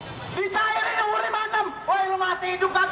di cair ini buri mandem woi lo masih hidup kagak